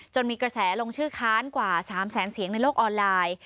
มีกระแสลงชื่อค้านกว่า๓แสนเสียงในโลกออนไลน์